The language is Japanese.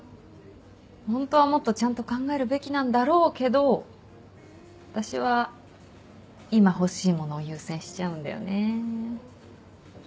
ホントはもっとちゃんと考えるべきなんだろうけど私は今欲しいものを優先しちゃうんだよね。